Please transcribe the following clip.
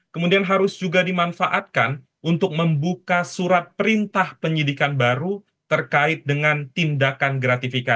kemudian harus juga dimanfaatkan untuk membuka surat perintah penyidikan baru terkait dengan tindakan gratifikasi